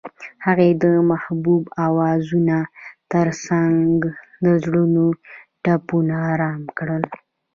هغې د محبوب اوازونو ترڅنګ د زړونو ټپونه آرام کړل.